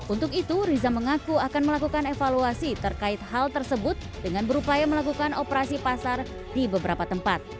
untuk itu riza mengaku akan melakukan evaluasi terkait hal tersebut dengan berupaya melakukan operasi pasar di beberapa tempat